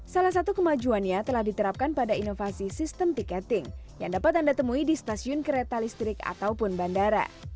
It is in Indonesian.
salah satu kemajuannya telah diterapkan pada inovasi sistem tiketing yang dapat anda temui di stasiun kereta listrik ataupun bandara